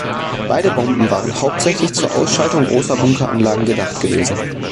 Beide Bomben waren hauptsächlich zur Ausschaltung großer Bunkeranlagen gedacht gewesen.